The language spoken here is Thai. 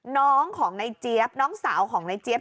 น้องของในเจี๊ยบน้องสาวของในเจี๊ย